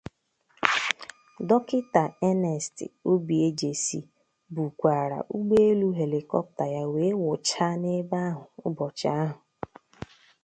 Dọkịta Earnest Obiejesi bùkwàrà ụgbọelu Helikọpta ya wee wụchaa n'ebe ahụ ụbọchị ahụ.